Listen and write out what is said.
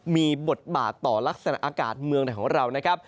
มีบทบาทต่อลักษณะอากาศเมืองไหนของเรานะครับ